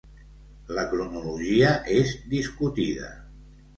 La cronologia és discutida.